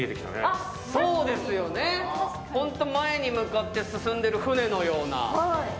本当に前に向かって進んでいる船のような。